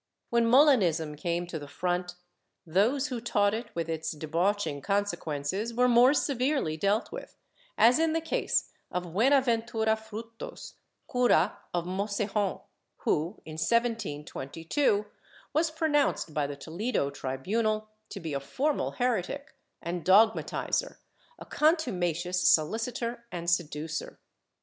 When Molin ism came to the front, those who taught it with its debauching consequences were more severely dealt with, as in the case of Buenaventura Frutos, cura of Mocejon, who, in 1722, was pro nounced by the Toledo tribunal to be a formal heretic and dog matizer, a contumacious solicitor and seducer.